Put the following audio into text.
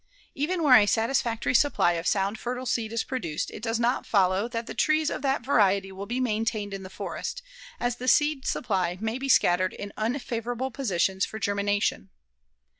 Even where a satisfactory supply of sound fertile seed is produced, it does not follow that the trees of that variety will be maintained in the forest, as the seed supply may be scattered in unfavorable positions for germination.